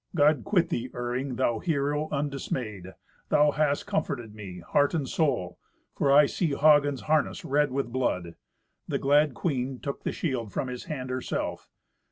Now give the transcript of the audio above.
"God quit thee, Iring, thou hero undismayed! thou hast comforted me, heart and soul, for I see Hagen's harness red with blood." The glad queen took the shield from his hand herself.